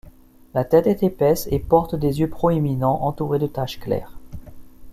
La tête est épaisse et porte des yeux proéminents, entourés de taches claires.